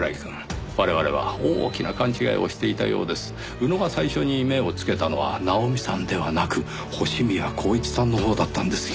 宇野が最初に目をつけたのは奈穂美さんではなく星宮光一さんのほうだったんですよ。